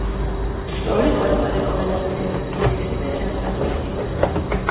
სწორი კვება: რეკომენდაციები, დიეტები და ჯანსაღი მენიუ.